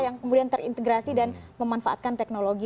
yang kemudian terintegrasi dan memanfaatkan teknologi